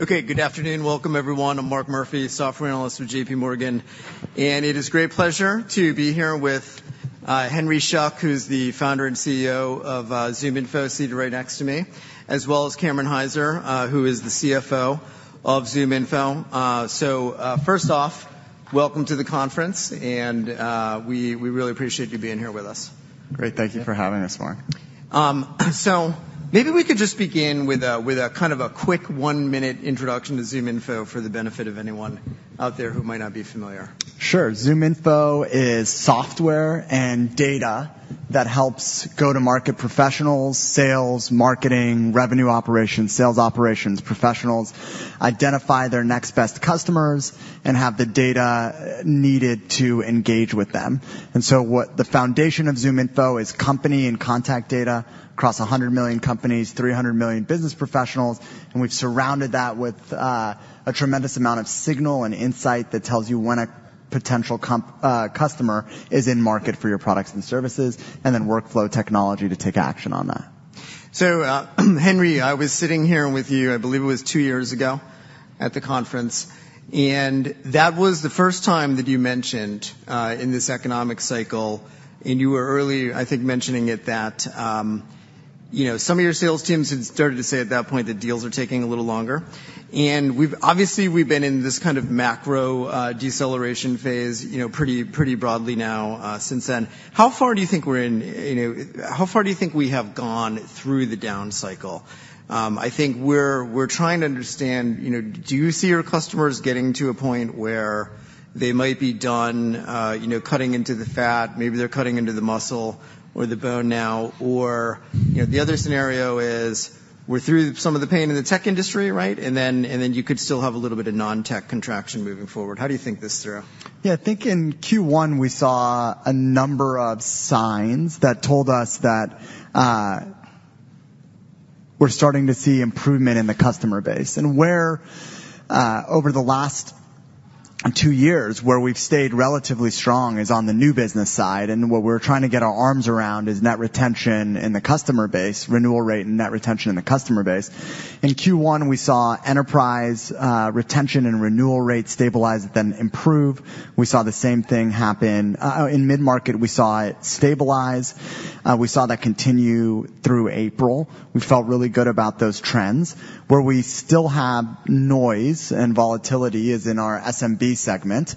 Okay, good afternoon. Welcome, everyone. I'm Mark Murphy, software analyst with JPMorgan, and it is a great pleasure to be here with Henry Schuck, who's the Founder and CEO of ZoomInfo, seated right next to me, as well as Cameron Hyzer, who is the CFO of ZoomInfo. So, first off, welcome to the conference, and we really appreciate you being here with us. Great. Thank you for having us, Mark. So maybe we could just begin with a kind of quick one-minute introduction to ZoomInfo for the benefit of anyone out there who might not be familiar. Sure. ZoomInfo is software and data that helps go-to-market professionals, sales, marketing, revenue operations, sales operations professionals identify their next best customers and have the data needed to engage with them. And so what the foundation of ZoomInfo is company and contact data across 100 million companies, 300 million business professionals, and we've surrounded that with a tremendous amount of signal and insight that tells you when a potential customer is in market for your products and services, and then workflow technology to take action on that. So, Henry, I was sitting here with you, I believe it was two years ago, at the conference, and that was the first time that you mentioned, in this economic cycle, and you were early, I think, mentioning it, that, you know, some of your sales teams had started to say at that point that deals are taking a little longer. And we've obviously been in this kind of macro, deceleration phase, you know, pretty, pretty broadly now, since then. How far do you think we're in? You know, how far do you think we have gone through the down cycle? I think we're trying to understand, you know, do you see your customers getting to a point where they might be done, you know, cutting into the fat, maybe they're cutting into the muscle or the bone now? Or, you know, the other scenario is, we're through some of the pain in the tech industry, right? And then, and then you could still have a little bit of non-tech contraction moving forward. How do you think this through? Yeah, I think in Q1, we saw a number of signs that told us that we're starting to see improvement in the customer base, and where over the last two years, where we've stayed relatively strong is on the new business side, and what we're trying to get our arms around is net retention in the customer base, renewal rate and net retention in the customer base. In Q1, we saw enterprise retention and renewal rates stabilize, then improve. We saw the same thing happen in mid-market. We saw it stabilize, we saw that continue through April. We felt really good about those trends. Where we still have noise and volatility is in our SMB segment.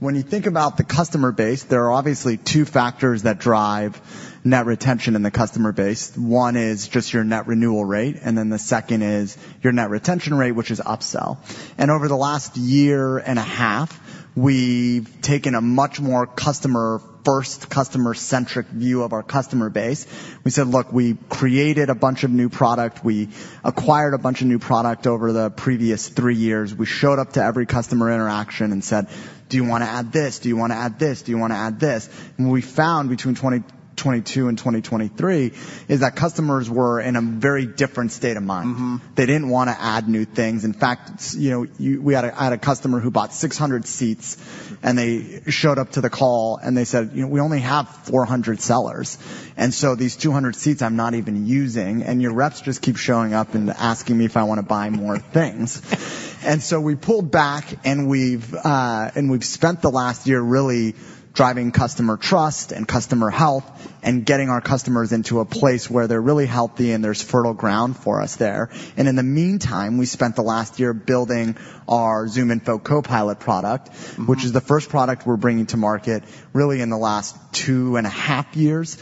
When you think about the customer base, there are obviously two factors that drive net retention in the customer base. One is just your net renewal rate, and then the second is your net retention rate, which is upsell. And over the last year and a half, we've taken a much more customer-first, customer-centric view of our customer base. We said: Look, we created a bunch of new product. We acquired a bunch of new product over the previous three years. We showed up to every customer interaction and said, "Do you want to add this? Do you want to add this? Do you want to add this?" And what we found between 2022 and 2023 is that customers were in a very different state of mind. Mm-hmm. They didn't want to add new things. In fact, you know, we had a customer who bought 600 seats, and they showed up to the call, and they said: You know, we only have 400 sellers, and so these 200 seats, I'm not even using, and your reps just keep showing up and asking me if I want to buy more things. So we pulled back, and we've spent the last year really driving customer trust and customer health and getting our customers into a place where they're really healthy and there's fertile ground for us there. And in the meantime, we spent the last year building our ZoomInfo Copilot product- Mm-hmm. Which is the first product we're bringing to market really in the last 2.5 years.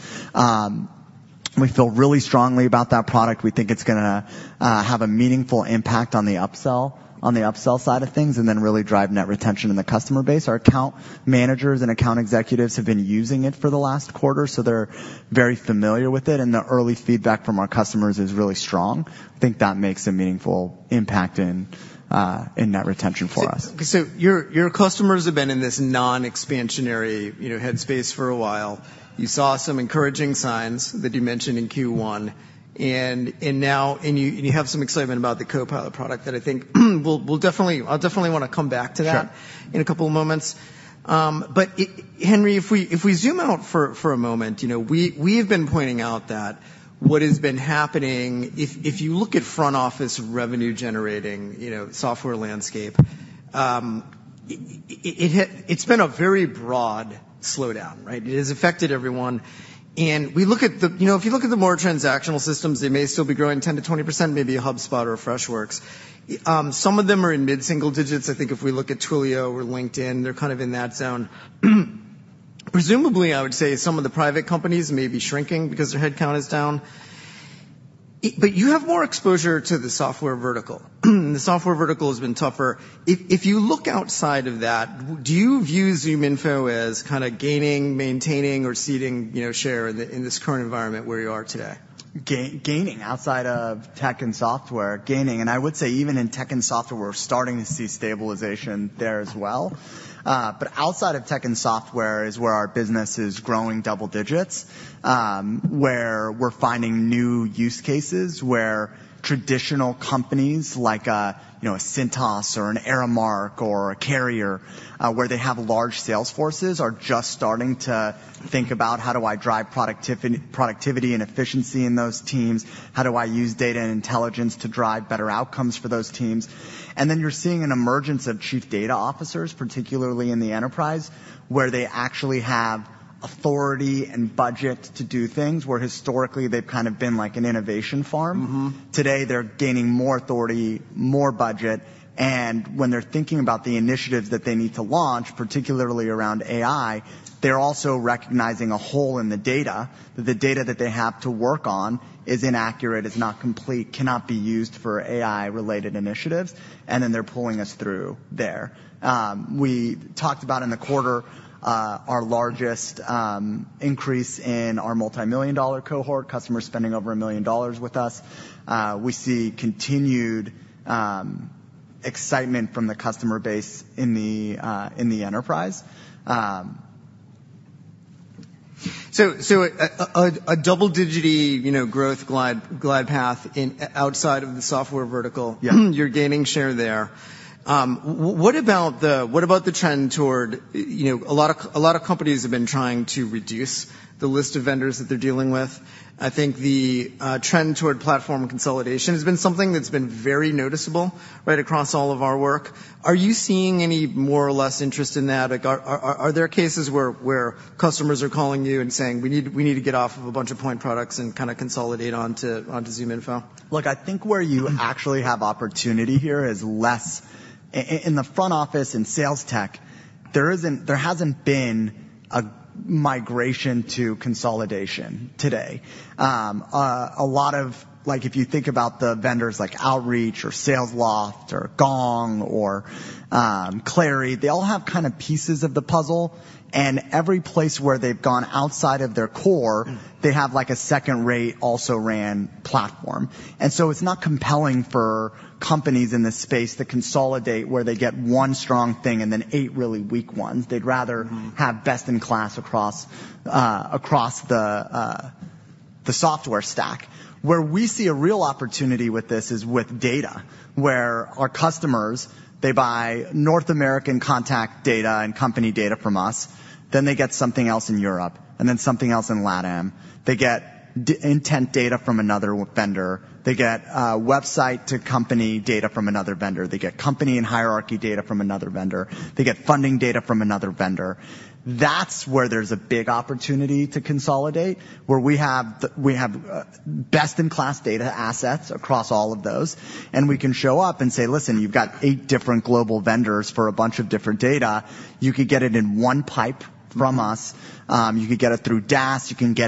We feel really strongly about that product. We think it's gonna have a meaningful impact on the upsell, on the upsell side of things, and then really drive net retention in the customer base. Our account managers and account executives have been using it for the last quarter, so they're very familiar with it, and the early feedback from our customers is really strong. I think that makes a meaningful impact in net retention for us. So your customers have been in this non-expansionary, you know, headspace for a while. You saw some encouraging signs that you mentioned in Q1, and now. And you have some excitement about the Copilot product that I think we'll definitely. I'll definitely wanna come back to that- Sure. In a couple of moments. But it, Henry, if we zoom out for a moment, you know, we have been pointing out that what has been happening, if you look at front office revenue-generating, you know, software landscape, it's been a very broad slowdown, right? It has affected everyone. You know, if you look at the more transactional systems, they may still be growing 10%-20%, maybe a HubSpot or a Freshworks. Some of them are in mid-single digits. I think if we look at Twilio or LinkedIn, they're kind of in that zone. Presumably, I would say some of the private companies may be shrinking because their headcount is down. But you have more exposure to the software vertical. The software vertical has been tougher. If you look outside of that, do you view ZoomInfo as kind of gaining, maintaining, or ceding, you know, share in this current environment where you are today? Gaining outside of tech and software, and I would say even in tech and software, we're starting to see stabilization there as well. But outside of tech and software is where our business is growing double digits, where we're finding new use cases, where traditional companies like a, you know, a Cintas or an Aramark or a Carrier, where they have large sales forces, are just starting to think about: How do I drive productivity, productivity and efficiency in those teams? How do I use data and intelligence to drive better outcomes for those teams? And then you're seeing an emergence of chief data officers, particularly in the enterprise, where they actually have authority and budget to do things, where historically they've kind of been like an innovation farm. Mm-hmm. Today, they're gaining more authority, more budget, and when they're thinking about the initiatives that they need to launch, particularly around AI, they're also recognizing a hole in the data. That the data that they have to work on is inaccurate, it's not complete, cannot be used for AI-related initiatives, and then they're pulling us through there. We talked about in the quarter, our largest increase in our multimillion-dollar cohort, customers spending over $1 million with us. We see continued excitement from the customer base in the, in the enterprise. So a double-digit, you know, growth glide path outside of the software vertical. Yeah. You're gaining share there. What about the, what about the trend toward... You know, a lot of, a lot of companies have been trying to reduce the list of vendors that they're dealing with. I think the trend toward platform consolidation has been something that's been very noticeable right across all of our work. Are you seeing any more or less interest in that? Like, are, are, are there cases where, where customers are calling you and saying, "We need, we need to get off of a bunch of point products and kind of consolidate onto, onto ZoomInfo? Look, I think where you actually have opportunity here is less in the front office, in sales tech, there isn't, there hasn't been a migration to consolidation today. A lot of like, if you think about the vendors like Outreach or Salesloft or Gong or Clari, they all have kind of pieces of the puzzle, and every place where they've gone outside of their core- Mm. They have, like, a second-rate, also-ran platform. And so it's not compelling for companies in this space to consolidate where they get one strong thing and then eight really weak ones. They'd rather- Mm. have best in class across, across the, the software stack. Where we see a real opportunity with this is with data, where our customers, they buy North American contact data and company data from us, then they get something else in Europe, and then something else in LATAM. They get intent data from another vendor. They get, website-to-company data from another vendor. They get company and hierarchy data from another vendor. They get funding data from another vendor. That's where there's a big opportunity to consolidate, where we have the, we have, best-in-class data assets across all of those, and we can show up and say, "Listen, you've got eight different global vendors for a bunch of different data. You could get it in one pipe from us. You could get it through DaaS, you can get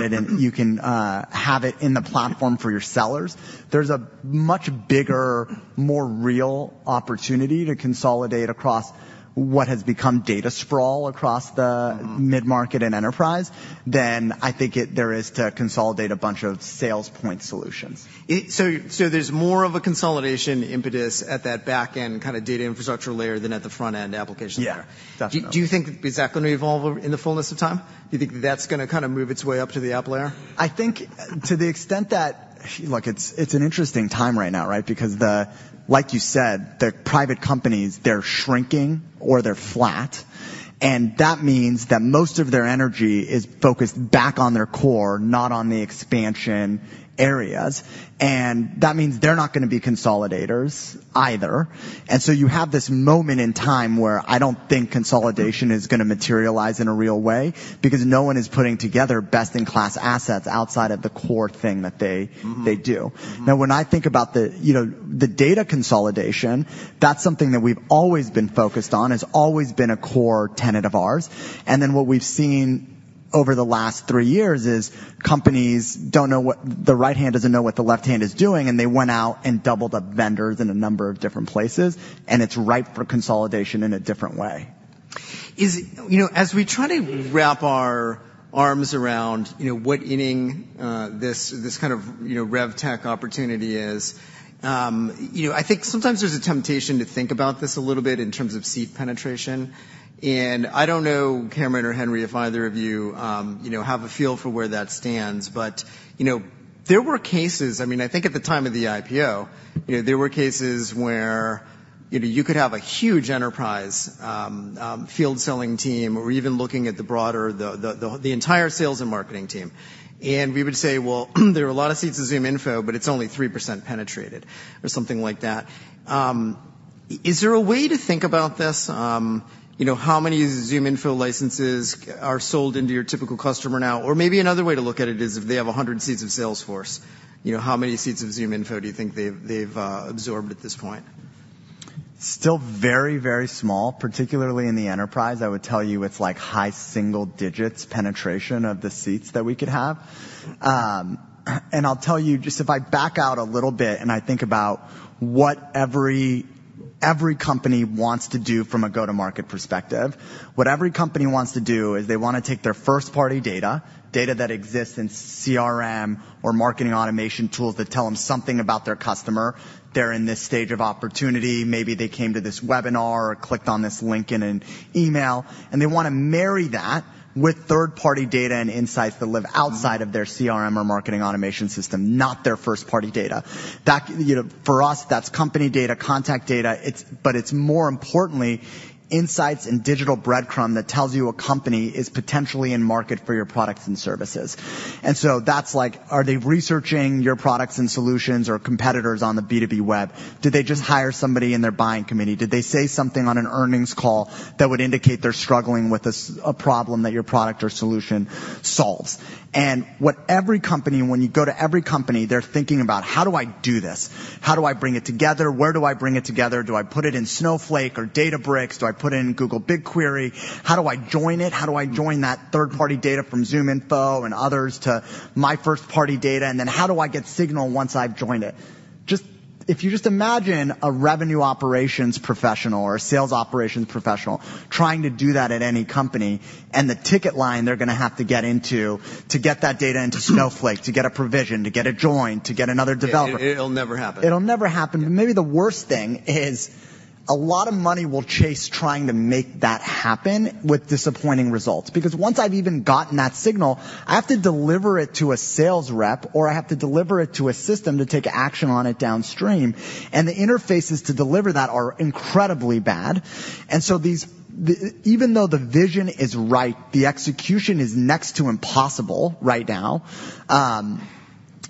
it, you can have it in the platform for your sellers." There's a much bigger, more real opportunity to consolidate across what has become data sprawl across the- Mm-hmm mid-market and enterprise than I think there is to consolidate a bunch of sales point solutions. So, there's more of a consolidation impetus at that back end kind of data infrastructure layer than at the front-end application layer? Yeah, definitely. Do you think, is that going to evolve over, in the fullness of time? Do you think that's gonna kind of move its way up to the app layer? I think to the extent that... Look, it's, it's an interesting time right now, right? Because the, like you said, the private companies, they're shrinking or they're flat, and that means that most of their energy is focused back on their core, not on the expansion areas. And that means they're not gonna be consolidators either. And so you have this moment in time where I don't think consolidation is gonna materialize in a real way, because no one is putting together best-in-class assets outside of the core thing that they- Mm-hmm they do. Mm-hmm. Now, when I think about the, you know, the data consolidation, that's something that we've always been focused on, has always been a core tenet of ours. And then what we've seen over the last three years is, companies don't know what the right hand doesn't know what the left hand is doing, and they went out and doubled up vendors in a number of different places, and it's ripe for consolidation in a different way. You know, as we try to wrap our arms around, you know, what inning this kind of, you know, rev tech opportunity is, you know, I think sometimes there's a temptation to think about this a little bit in terms of seat penetration. I don't know, Cameron or Henry, if either of you, you know, have a feel for where that stands. You know, there were cases, I mean, I think at the time of the IPO, you know, there were cases where, you know, you could have a huge enterprise field selling team or even looking at the broader, the entire sales and marketing team. We would say, "Well, there are a lot of seats at ZoomInfo, but it's only 3% penetrated," or something like that. Is there a way to think about this? You know, how many ZoomInfo licenses are sold into your typical customer now? Or maybe another way to look at it is, if they have 100 seats of Salesforce, you know, how many seats of ZoomInfo do you think they've absorbed at this point? Still very, very small, particularly in the enterprise. I would tell you it's like high single digits penetration of the seats that we could have. And I'll tell you, just if I back out a little bit and I think about what every company wants to do from a go-to-market perspective. What every company wants to do is they want to take their first-party data, data that exists in CRM or marketing automation tools that tell them something about their customer. They're in this stage of opportunity. Maybe they came to this webinar or clicked on this link in an email, and they want to marry that with third-party data and insights that live outside of their CRM or marketing automation system, not their first-party data. That, you know, for us, that's company data, contact data. But it's more importantly, insights and digital breadcrumb that tells you a company is potentially in market for your products and services. And so that's like, are they researching your products and solutions or competitors on the B2B web? Did they just hire somebody in their buying committee? Did they say something on an earnings call that would indicate they're struggling with a problem that your product or solution solves? And what every company, when you go to every company, they're thinking about: How do I do this? How do I bring it together? Where do I bring it together? Do I put it in Snowflake or Databricks? Do I put it in Google BigQuery? How do I join it? How do I join that third-party data from ZoomInfo and others to my first-party data, and then how do I get signal once I've joined it? Just... If you just imagine a revenue operations professional or a sales operations professional trying to do that at any company, and the ticket line they're gonna have to get into to get that data into Snowflake, to get a provision, to get a join, to get another developer- It'll never happen. It'll never happen. But maybe the worst thing is, a lot of money will chase trying to make that happen with disappointing results. Because once I've even gotten that signal, I have to deliver it to a sales rep, or I have to deliver it to a system to take action on it downstream, and the interfaces to deliver that are incredibly bad. And so these even though the vision is right, the execution is next to impossible right now,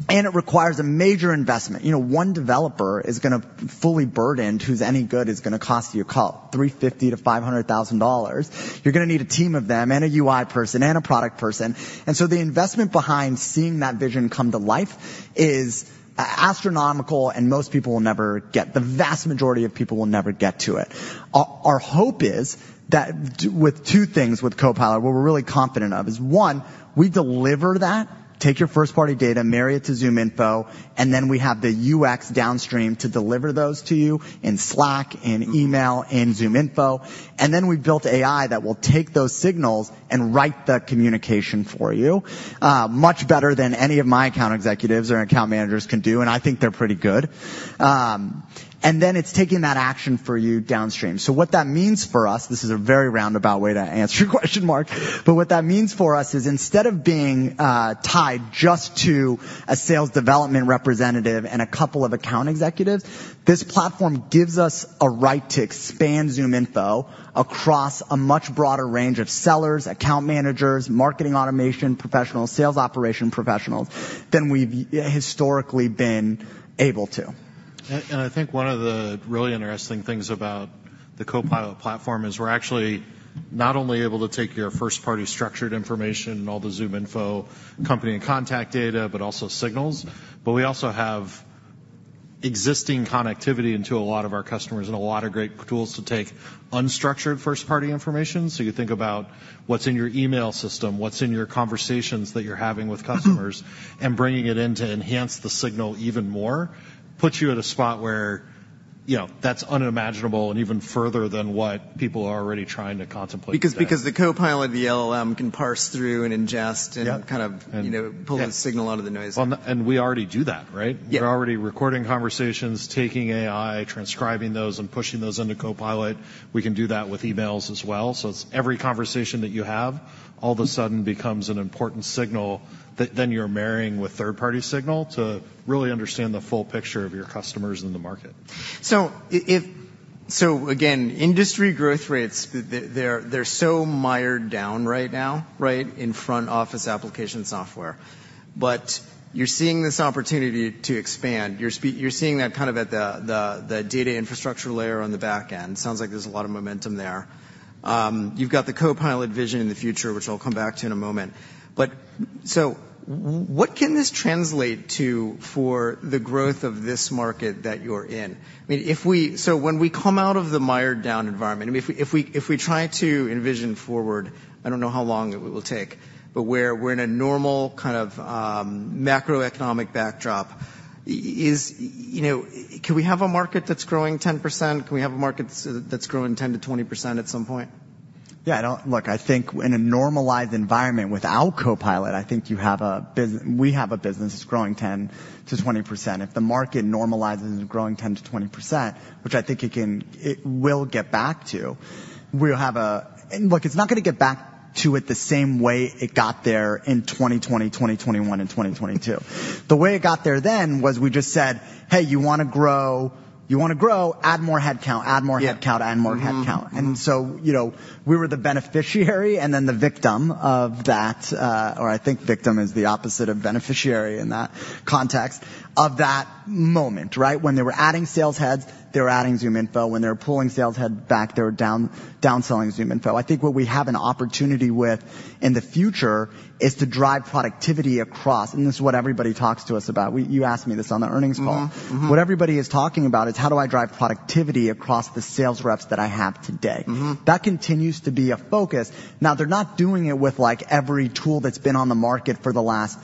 and it requires a major investment. You know, one developer is gonna fully burdened, who's any good, is gonna cost you call it $350,000-$500,000. You're gonna need a team of them, and a UI person, and a product person. And so the investment behind seeing that vision come to life is astronomical, and most people will never get... The vast majority of people will never get to it. Our hope is that with two things, with Copilot, what we're really confident of, is, one, we deliver that, take your first-party data, marry it to ZoomInfo, and then we have the UX downstream to deliver those to you in Slack and email and ZoomInfo. And then we've built AI that will take those signals and write the communication for you, much better than any of my account executives or account managers can do, and I think they're pretty good. And then it's taking that action for you downstream. So what that means for us, this is a very roundabout way to answer your question, Mark, but what that means for us is instead of being tied just to a sales development representative and a couple of account executives, this platform gives us a right to expand ZoomInfo across a much broader range of sellers, account managers, marketing automation professionals, sales operation professionals, than we've historically been able to. I think one of the really interesting things about the Copilot platform is we're actually not only able to take your first-party structured information and all the ZoomInfo company and contact data, but also signals. But we also have existing connectivity into a lot of our customers and a lot of great tools to take unstructured first-party information. So you think about what's in your email system, what's in your conversations that you're having with customers, and bringing it in to enhance the signal even more, puts you at a spot where, you know, that's unimaginable and even further than what people are already trying to contemplate. Because the Copilot, the LLM, can parse through and ingest- Yep and kind of, you know- Yep... pull the signal out of the noise. Well, and we already do that, right? Yep. We're already recording conversations, taking AI, transcribing those, and pushing those into Copilot. We can do that with emails as well. So it's every conversation that you have all of a sudden becomes an important signal, that then you're marrying with third-party signal to really understand the full picture of your customers in the market. So again, industry growth rates, they're so mired down right now, right, in front office application software. But you're seeing this opportunity to expand. You're seeing that kind of at the data infrastructure layer on the back end. Sounds like there's a lot of momentum there. You've got the Copilot vision in the future, which I'll come back to in a moment. But what can this translate to for the growth of this market that you're in? I mean, so when we come out of the mired down environment, I mean, if we try to envision forward, I don't know how long it will take, but where we're in a normal kind of macroeconomic backdrop, is, you know, can we have a market that's growing 10%? Can we have a market that's growing 10%-20% at some point? Yeah, look, I think in a normalized environment without Copilot, I think you have we have a business that's growing 10%-20%. If the market normalizes growing 10%-20%, which I think it can, it will get back to, we'll have a... And look, it's not gonna get back to it the same way it got there in 2020, 2021, and 2022. The way it got there then was we just said, "Hey, you wanna grow, you wanna grow, add more headcount, add more headcount- Yep... add more headcount. Mm-hmm. And so, you know, we were the beneficiary and then the victim of that, or I think victim is the opposite of beneficiary in that context, of that moment, right? When they were adding sales heads, they were adding ZoomInfo. When they were pulling sales head back, they were downselling ZoomInfo. I think what we have an opportunity with in the future is to drive productivity across, and this is what everybody talks to us about. You asked me this on the earnings call. Mm-hmm. Mm-hmm. What everybody is talking about is: How do I drive productivity across the sales reps that I have today? Mm-hmm. That continues to be a focus. Now, they're not doing it with, like, every tool that's been on the market for the last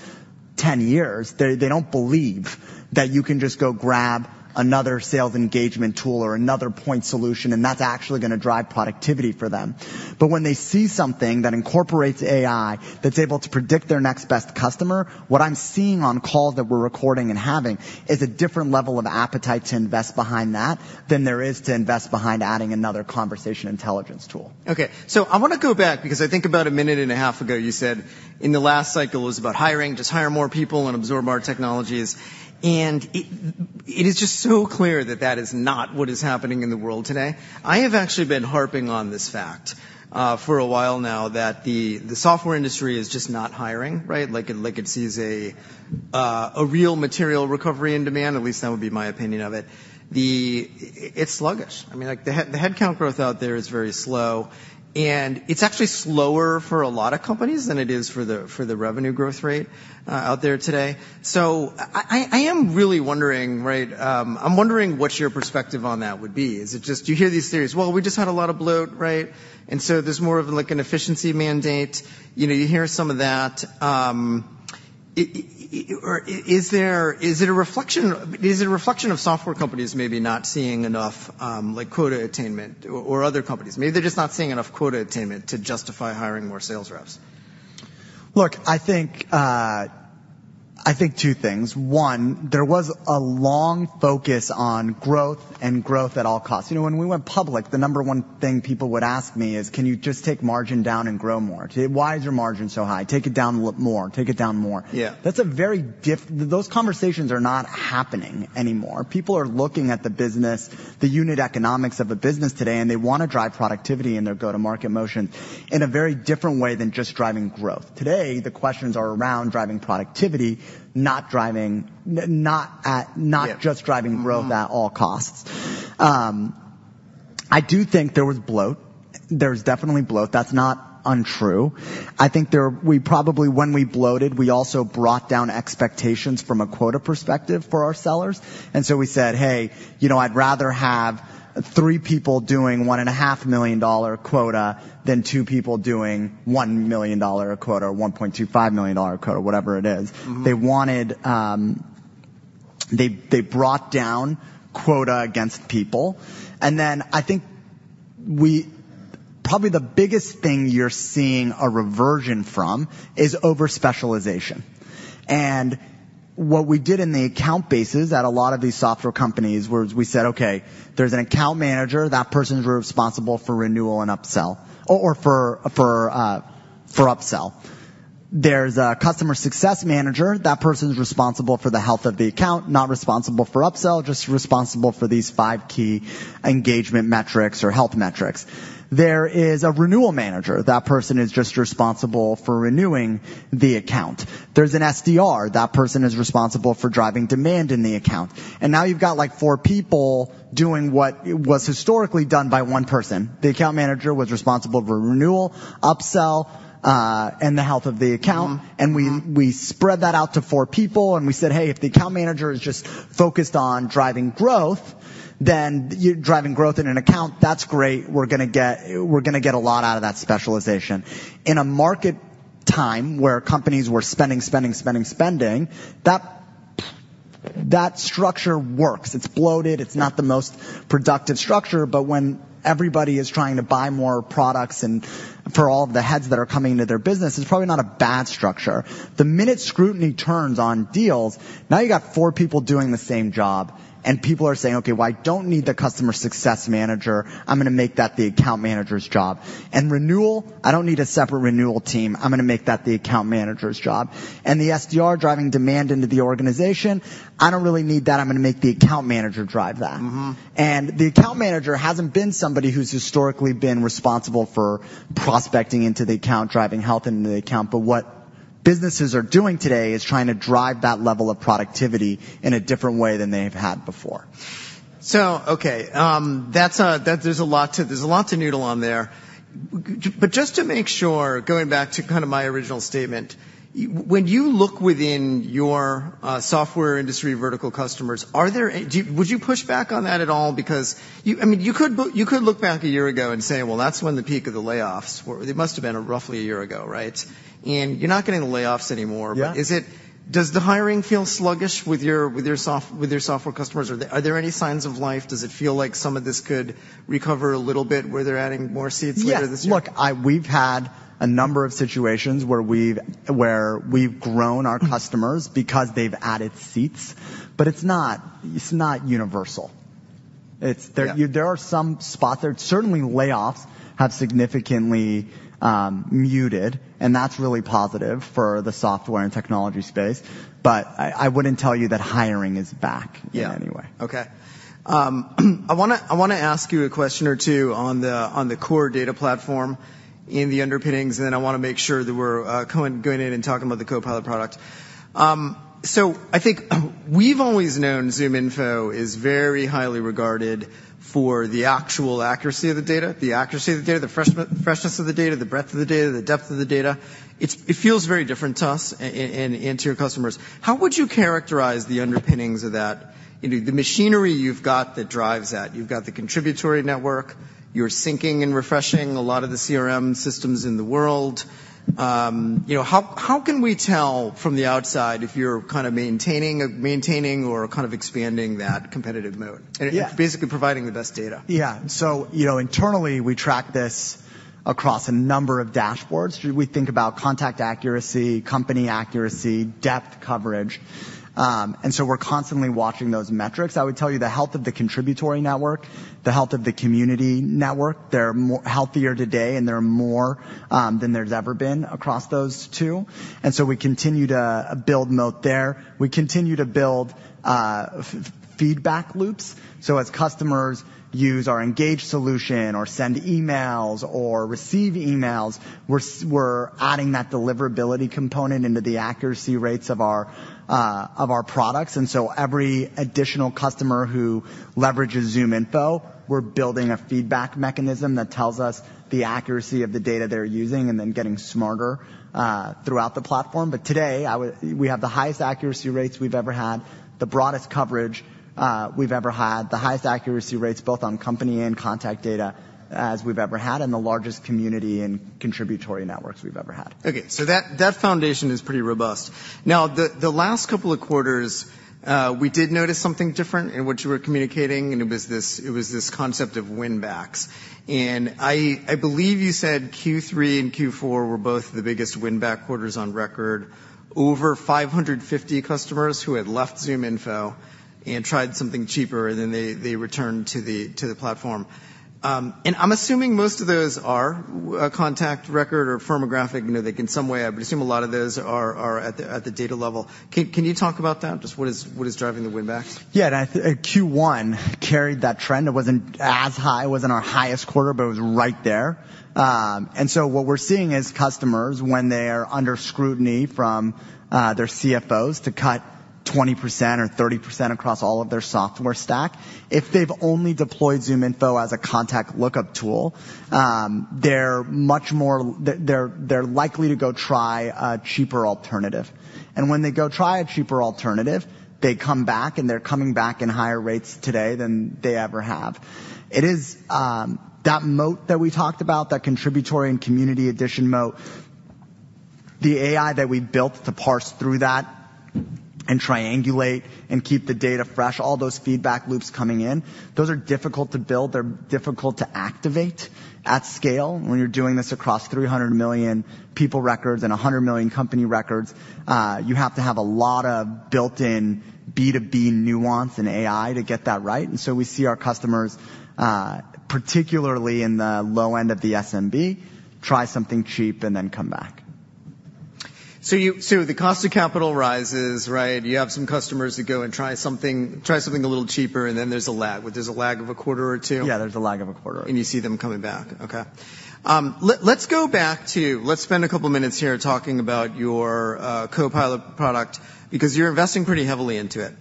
ten years, they don't believe that you can just go grab another sales engagement tool or another point solution, and that's actually gonna drive productivity for them. But when they see something that incorporates AI, that's able to predict their next best customer, what I'm seeing on calls that we're recording and having, is a different level of appetite to invest behind that than there is to invest behind adding another conversation intelligence tool. Okay, so I wanna go back, because I think about a minute and a half ago, you said, "In the last cycle, it was about hiring. Just hire more people and absorb our technologies." And it, it is just so clear that that is not what is happening in the world today. I have actually been harping on this fact, for a while now, that the software industry is just not hiring, right? Like it, like it sees a real material recovery and demand, at least that would be my opinion of it. It's sluggish. I mean, like, the headcount growth out there is very slow, and it's actually slower for a lot of companies than it is for the revenue growth rate, out there today. So I am really wondering, right, I'm wondering what your perspective on that would be. Is it just... You hear these theories: "Well, we just had a lot of bloat, right? And so there's more of, like, an efficiency mandate." You know, you hear some of that. Is there-- is it a reflection, is it a reflection of software companies maybe not seeing enough, like, quota attainment or other companies? Maybe they're just not seeing enough quota attainment to justify hiring more sales reps. Look, I think, I think two things. One, there was a long focus on growth and growth at all costs. You know, when we went public, the number one thing people would ask me is, "Can you just take margin down and grow more? Why is your margin so high? Take it down more. Take it down more. Yeah. Those conversations are not happening anymore. People are looking at the business, the unit economics of a business today, and they wanna drive productivity in their go-to-market motion in a very different way than just driving growth. Today, the questions are around driving productivity, not driving. Yeah... not just driving growth at all costs. I do think there was bloat. There's definitely bloat. That's not untrue. I think we probably, when we bloated, we also brought down expectations from a quota perspective for our sellers. And so we said, "Hey, you know, I'd rather have three people doing $1.5 million quota, than two people doing $1 million quota, or $1.25 million quota," or whatever it is. Mm-hmm. They wanted. They brought down quota against people. And then I think we—probably the biggest thing you're seeing a reversion from is overspecialization. And what we did in the account bases at a lot of these software companies was we said, "Okay, there's an account manager. That person's responsible for renewal and upsell or for upsell. There's a customer success manager. That person's responsible for the health of the account, not responsible for upsell, just responsible for these five key engagement metrics or health metrics. There is a renewal manager. That person is just responsible for renewing the account. There's an SDR. That person is responsible for driving demand in the account." And now you've got, like, four people doing what was historically done by one person. The account manager was responsible for renewal, upsell, and the health of the account. Mm-hmm, mm-hmm. And we, we spread that out to four people, and we said, "Hey, if the account manager is just focused on driving growth, then you're driving growth in an account. That's great. We're gonna get, we're gonna get a lot out of that specialization." In a market time where companies were spending, spending, spending, spending, that, that structure works. It's bloated. It's not the most productive structure, but when everybody is trying to buy more products and for all the heads that are coming into their business, it's probably not a bad structure. The minute scrutiny turns on deals, now you got four people doing the same job, and people are saying: "Okay, well, I don't need the customer success manager. I'm gonna make that the account manager's job. And renewal, I don't need a separate renewal team. I'm gonna make that the account manager's job. The SDR driving demand into the organization, I don't really need that. I'm gonna make the account manager drive that. Mm-hmm. The account manager hasn't been somebody who's historically been responsible for prospecting into the account, driving health into the account. What businesses are doing today is trying to drive that level of productivity in a different way than they've had before. So, okay, that's... There's a lot to, there's a lot to noodle on there. But just to make sure, going back to kind of my original statement, when you look within your software industry vertical customers, would you push back on that at all? Because you... I mean, you could look, you could look back a year ago and say: Well, that's when the peak of the layoffs were. It must have been roughly a year ago, right? And you're not getting the layoffs anymore. Yeah. But does the hiring feel sluggish with your software customers? Are there any signs of life? Does it feel like some of this could recover a little bit, where they're adding more seats later this year? Yeah. Look, we've had a number of situations where we've, where we've grown our customers because they've added seats, but it's not, it's not universal. It's- Yeah. There are some spots. There certainly, layoffs have significantly muted, and that's really positive for the software and technology space, but I, I wouldn't tell you that hiring is back- Yeah in any way. Okay. I wanna, I wanna ask you a question or two on the core data platform in the underpinnings, and then I wanna make sure that we're going in and talking about the Copilot product. So I think we've always known ZoomInfo is very highly regarded for the actual accuracy of the data, the accuracy of the data, the freshness of the data, the breadth of the data, the depth of the data. It feels very different to us and, and, and to your customers. How would you characterize the underpinnings of that? You know, the machinery you've got that drives that. You've got the contributory network. You're syncing and refreshing a lot of the CRM systems in the world. You know, how can we tell from the outside if you're kind of maintaining or kind of expanding that competitive mode? Yeah. Basically, providing the best data. Yeah. So, you know, internally, we track this across a number of dashboards. We think about contact accuracy, company accuracy, depth coverage, and so we're constantly watching those metrics. I would tell you, the health of the contributory network, the health of the community network, they're more healthier today than there's ever been across those two, and so we continue to build moat there. We continue to build feedback loops, so as customers use our Engage solution or send emails or receive emails, we're adding that deliverability component into the accuracy rates of our products. And so every additional customer who leverages ZoomInfo, we're building a feedback mechanism that tells us the accuracy of the data they're using and then getting smarter throughout the platform. But today, we have the highest accuracy rates we've ever had, the broadest coverage we've ever had, the highest accuracy rates, both on company and contact data, as we've ever had, and the largest community and contributory networks we've ever had. Okay, so that foundation is pretty robust. Now, the last couple of quarters, we did notice something different in what you were communicating, and it was this, it was this concept of win backs. And I believe you said Q3 and Q4 were both the biggest win back quarters on record. Over 550 customers who had left ZoomInfo and tried something cheaper, and then they returned to the platform. And I'm assuming most of those are contact record or firmographic. You know, they can some way... I assume a lot of those are at the data level. Can you talk about that, just what is driving the win backs? Yeah, and Q1 carried that trend. It wasn't as high, it wasn't our highest quarter, but it was right there. And so what we're seeing is customers, when they are under scrutiny from their CFOs to cut 20% or 30% across all of their software stack, if they've only deployed ZoomInfo as a contact lookup tool, they're much more—they're likely to go try a cheaper alternative. And when they go try a cheaper alternative, they come back, and they're coming back in higher rates today than they ever have. It is that moat that we talked about, that contributory and community addition moat, the AI that we built to parse through that and triangulate and keep the data fresh, all those feedback loops coming in, those are difficult to build. They're difficult to activate at scale. When you're doing this across 300 million people records and 100 million company records, you have to have a lot of built-in B2B nuance and AI to get that right. And so we see our customers, particularly in the low end of the SMB, try something cheap and then come back. So the cost of capital rises, right? You have some customers that go and try something, try something a little cheaper, and then there's a lag. There's a lag of a quarter or two? Yeah, there's a lag of a quarter. And you see them coming back. Okay. Let's go back to... Let's spend a couple minutes here talking about your Copilot product, because you're investing pretty heavily into it.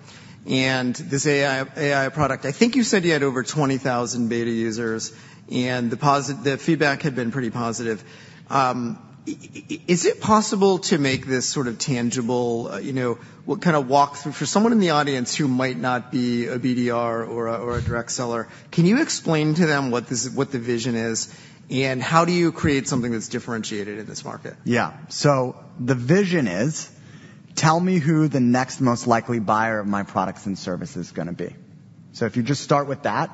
And this AI product, I think you said you had over 20,000 beta users, and the feedback had been pretty positive. Is it possible to make this sort of tangible? You know, what kind of walkthrough for someone in the audience who might not be a BDR or a direct seller, can you explain to them what the vision is, and how do you create something that's differentiated in this market? Yeah. So the vision is, tell me who the next most likely buyer of my products and service is gonna be. So if you just start with that,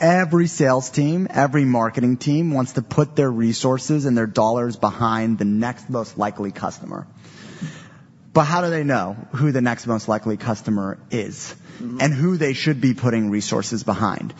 every sales team, every marketing team, wants to put their resources and their dollars behind the next most likely customer. But how do they know who the next most likely customer is? Mm-hmm. And who they should be putting resources behind?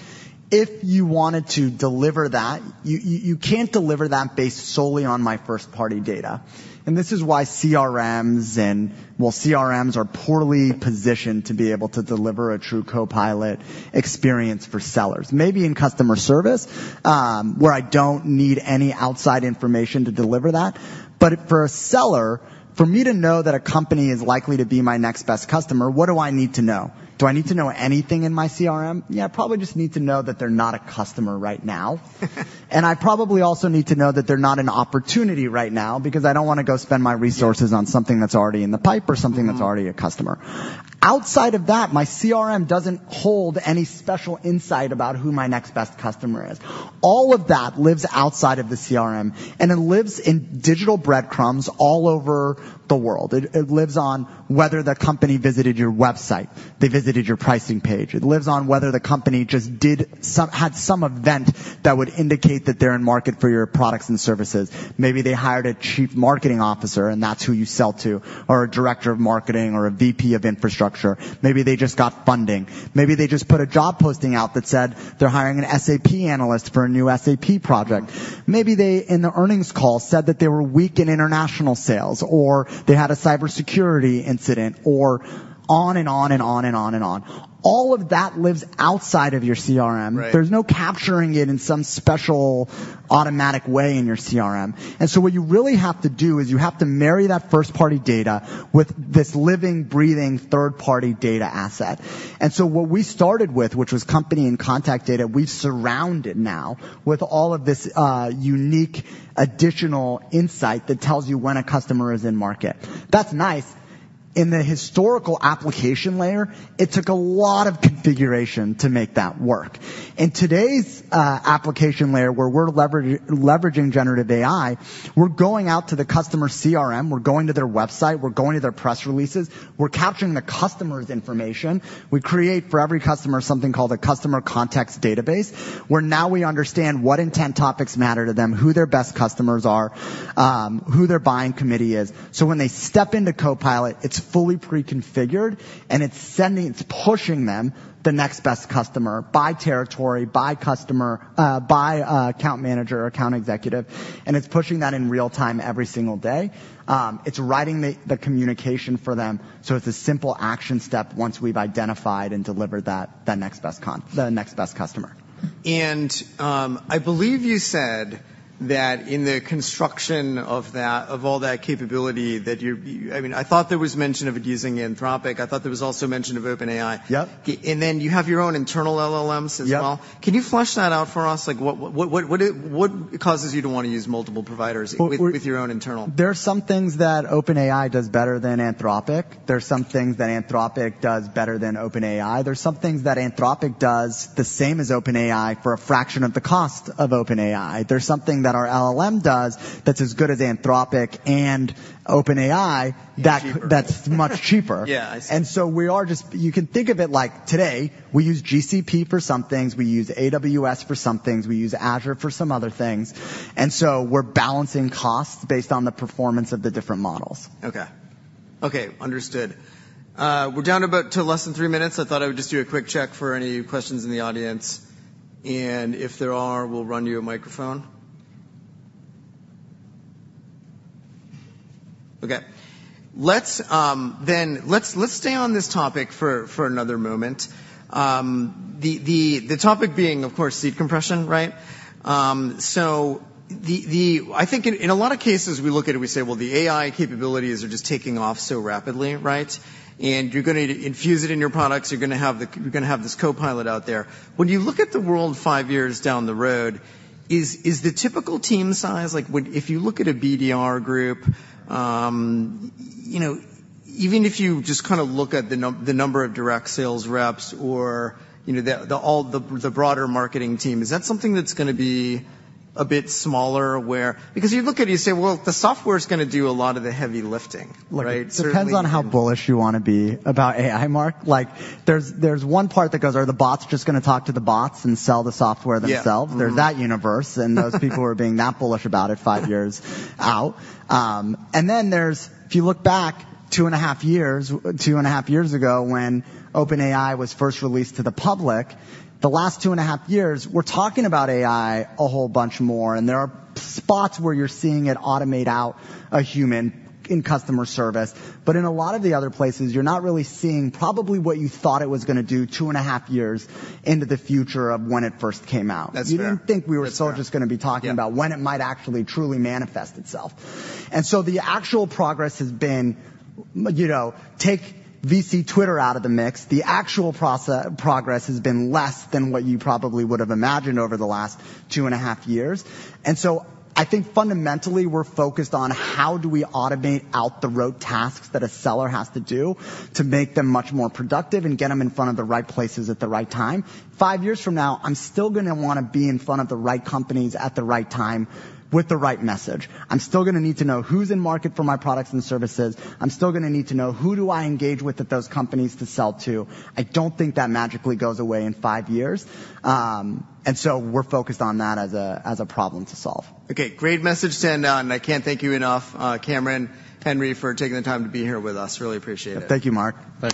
If you wanted to deliver that, you can't deliver that based solely on my first-party data. And this is why CRMs and... Well, CRMs are poorly positioned to be able to deliver a true copilot experience for sellers. Maybe in customer service, where I don't need any outside information to deliver that. But for a seller, for me to know that a company is likely to be my next best customer, what do I need to know? Do I need to know anything in my CRM? Yeah, I probably just need to know that they're not a customer right now. And I probably also need to know that they're not an opportunity right now, because I don't wanna go spend my resources on something that's already in the pipe or something that's already a customer. Outside of that, my CRM doesn't hold any special insight about who my next best customer is. All of that lives outside of the CRM, and it lives in digital breadcrumbs all over the world. It, it lives on whether the company visited your website, they visited your pricing page. It lives on whether the company just had some event that would indicate that they're in market for your products and services. Maybe they hired a chief marketing officer, and that's who you sell to, or a director of marketing or a VP of infrastructure. Maybe they just got funding. Maybe they just put a job posting out that said they're hiring an SAP analyst for a new SAP project. Maybe they, in the earnings call, said that they were weak in international sales, or they had a cybersecurity incident, or on and on and on and on and on. All of that lives outside of your CRM. Right. There's no capturing it in some special, automatic way in your CRM. So what you really have to do is you have to marry that first-party data with this living, breathing, third-party data asset. So what we started with, which was company and contact data, we've surrounded now with all of this unique, additional insight that tells you when a customer is in market. That's nice. In the historical application layer, it took a lot of configuration to make that work. In today's application layer, where we're leveraging generative AI, we're going out to the customer CRM, we're going to their website, we're going to their press releases, we're capturing the customer's information. We create for every customer something called a customer context database, where now we understand what intent topics matter to them, who their best customers are, who their buying committee is. So when they step into Copilot, it's fully pre-configured, and it's sending, it's pushing them the next best customer by territory, by customer, by account manager or account executive, and it's pushing that in real time every single day. It's writing the communication for them, so it's a simple action step once we've identified and delivered that, the next best customer. I believe you said that in the construction of that, of all that capability, that you're—I mean, I thought there was mention of it using Anthropic. I thought there was also mention of OpenAI. Yep. You have your own internal LLMs as well? Yep. Can you flesh that out for us? Like, what causes you to wanna use multiple providers- Well, we- with your own internal? There are some things that OpenAI does better than Anthropic. There are some things that Anthropic does better than OpenAI. There are some things that Anthropic does the same as OpenAI for a fraction of the cost of OpenAI. There's something that our LLM does that's as good as Anthropic and OpenAI- Cheaper. that's much cheaper. Yeah, I see. And so we are just... You can think of it like today, we use GCP for some things, we use AWS for some things, we use Azure for some other things, and so we're balancing costs based on the performance of the different models. Okay. Okay, understood. We're down to about two less than 3 minutes. I thought I would just do a quick check for any questions in the audience, and if there are, we'll run you a microphone. Okay. Let's then let's stay on this topic for another moment. The topic being, of course, seed compression, right? So, I think in a lot of cases, we look at it, we say, well, the AI capabilities are just taking off so rapidly, right? And you're gonna infuse it in your products. You're gonna have this copilot out there. When you look at the world five years down the road, is the typical team size, like, if you look at a BDR group, you know, even if you just kinda look at the number of direct sales reps or, you know, the broader marketing team, is that something that's gonna be a bit smaller, where... Because you look at it, you say, "Well, the software's gonna do a lot of the heavy lifting," right? Certainly- Depends on how bullish you wanna be about AI, Mark. Like, there's, there's one part that goes, are the bots just gonna talk to the bots and sell the software themselves? Yeah. Mm-hmm. There's that universe and those people who are being that bullish about it five years out. And then there's... If you look back 2.5 years, 2.5 years ago, when OpenAI was first released to the public, the last 2.5 years, we're talking about AI a whole bunch more, and there are spots where you're seeing it automate out a human in customer service. But in a lot of the other places, you're not really seeing probably what you thought it was gonna do 2.5 years into the future of when it first came out. That's fair. We didn't think we were still just gonna be talking- Yeah about when it might actually truly manifest itself. And so the actual progress has been, you know, take VC Twitter out of the mix. The actual progress has been less than what you probably would have imagined over the last 2.5 years. And so I think fundamentally, we're focused on how do we automate out the rote tasks that a seller has to do to make them much more productive and get them in front of the right places at the right time. Five years from now, I'm still gonna wanna be in front of the right companies at the right time with the right message. I'm still gonna need to know who's in market for my products and services. I'm still gonna need to know who do I engage with at those companies to sell to. I don't think that magically goes away in five years. And so we're focused on that as a, as a problem to solve. Okay, great message to end on, and I can't thank you enough, Cameron Hyzer, Henry Schuck, for taking the time to be here with us. Really appreciate it. Thank you, Mark. Thank you.